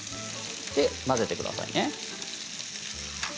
混ぜてくださいね。